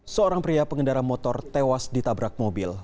seorang pria pengendara motor tewas ditabrak mobil